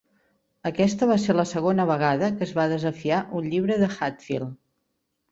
Aquesta va ser la segona vegada que es va desafiar un llibre de Hatfield.